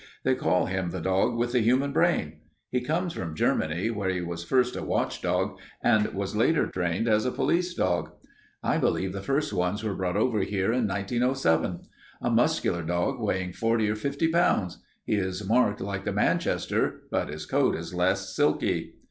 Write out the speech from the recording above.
They call him the dog with the human brain. He comes from Germany, where he was first a watchdog and was later trained as a police dog. I believe the first ones were brought over here in 1907. A muscular dog, weighing forty or fifty pounds. He is marked like the Manchester but his coat is less silky.